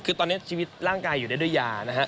คือตอนนี้ชีวิตร่างกายอยู่ได้ด้วยยานะฮะ